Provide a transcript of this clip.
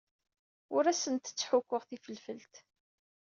Ur asent-ttḥukkuɣ tifelfelt.